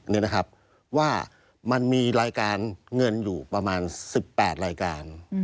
นี่นะครับว่ามันมีรายการเงินอยู่ประมาณ๑๘รายการ